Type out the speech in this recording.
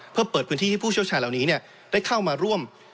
เพื่อเปิดพื้นที่ให้ผู้เชี่ยวชาญเหล่านี้ได้เข้ามาร่วม